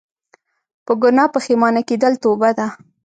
په ګناه پښیمانه کيدل توبه ده